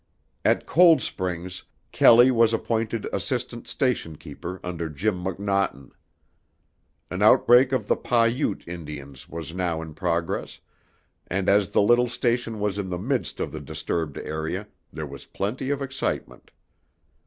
At Cold Springs, Kelley was appointed assistant station keeper under Jim McNaughton. An outbreak of the Pah Ute Indians was now in progress, and as the little station was in the midst of the disturbed area, there was plenty of excitement.